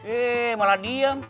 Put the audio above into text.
eh malah diam